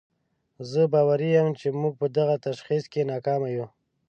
زه باوري یم چې موږ په دغه تشخیص کې ناکامه یو.